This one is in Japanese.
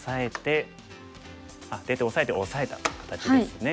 あっ出て押さえて押さえた形ですね。